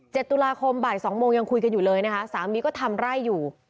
ตุลาคมบ่ายสองโมงยังคุยกันอยู่เลยนะคะสามีก็ทำไร่อยู่